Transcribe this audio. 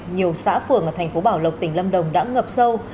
nhiều xã phường ở thành phố bảo lộc tỉnh lâm đồng đã ngập sâu